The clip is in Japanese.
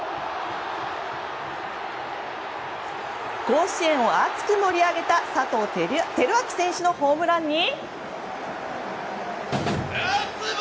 甲子園を熱く盛り上げた佐藤輝明選手のホームランに。